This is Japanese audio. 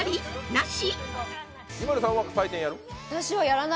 なし？